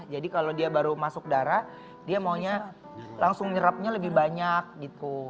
jadi kalau dia baru masuk darah dia maunya langsung nyerapnya lebih banyak gitu